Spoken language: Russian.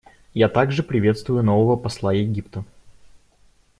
Я также приветствую нового посла Египта.